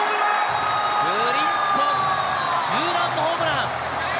ブリンソン、ツーランホームラン！